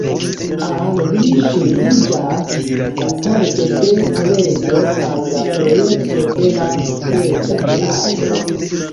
Al li ŝuldiĝas la Pordo de Toledo kaj la projekto de la Reĝa Teatro.